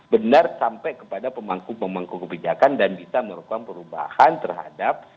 benar sampai kepada pemangku pemangku kebijakan dan bisa melakukan perubahan terhadap